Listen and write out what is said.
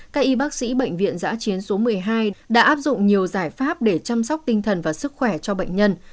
các y bác sĩ bệnh viện giã chiến số một mươi hai đã áp dụng nhiều giải pháp để chăm sóc tinh thần và sức khỏe cho bệnh nhân